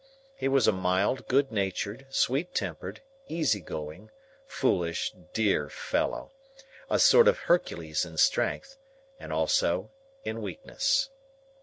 He was a mild, good natured, sweet tempered, easy going, foolish, dear fellow,—a sort of Hercules in strength, and also in weakness.